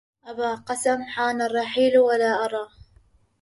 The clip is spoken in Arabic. أبا قسم حان الرحيل ولا أرى